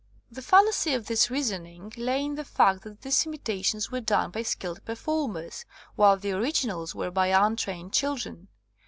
The fallacy of this reasoning lay in the fact that these imita tions were done by skilled performers, while the originals were by untrained children.